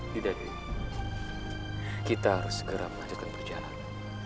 tidak kita harus segera melanjutkan perjalanan